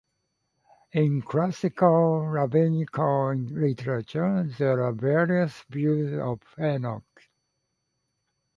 In classical Rabbinical literature, there are various views of Enoch.